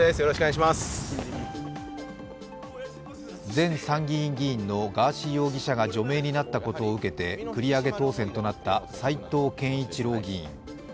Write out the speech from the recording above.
前参議院議員のガーシー容疑者が除名となったことを受けて繰り上げ当選となった斉藤健一郎議員。